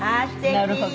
なるほど。